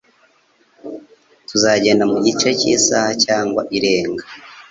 Tuzagenda mugice cyisaha cyangwa irenga.